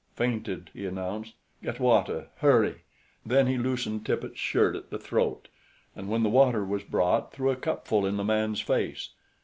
"Fainted," he announced. "Get water. Hurry!" Then he loosened Tippet's shirt at the throat and when the water was brought, threw a cupful in the man's face.